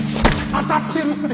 当たってるって！